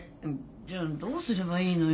じゃあどうすればいいのよ。